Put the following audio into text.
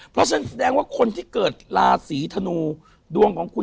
เพราะฉะนั้นแสดงว่าคนที่เกิดราศีธนูดวงของคุณ